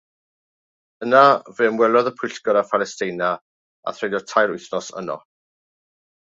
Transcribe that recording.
Yna fe ymwelodd y Pwyllgor â Phalestina a threulio tair wythnos yno.